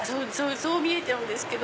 そう見えちゃうんですけど。